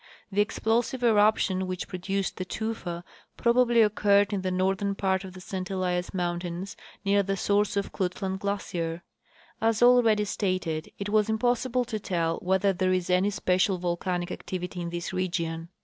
The explosive eruption which produced the tufa probably occurred in the northern jjart of the St Elias mountains, near the source of Klutlan glacier. As already stated, it was impossible to tell whether there is any present volcanic activity in this region.